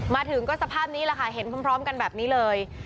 มาถึงก็สภาพนี้แหละค่ะเห็นพร้อมกันแบบนี้เลย